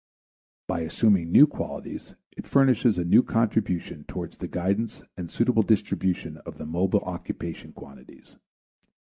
By assuming new qualities, it furnishes a new contribution toward the guidance and suitable distribution of the mobile occupation quantities.